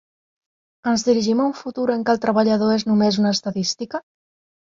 Ens dirigim a un futur en què el treballador és només una estadística?